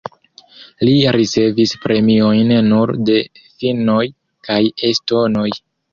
Li ricevis premiojn nur de finnoj kaj estonoj.